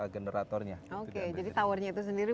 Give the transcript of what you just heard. generatornya oke jadi towernya itu sendiri